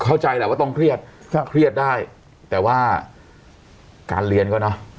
เข้าใจแหละว่าต้องเครียดก็เครียดได้แต่ว่าการเรียนก็เนอะ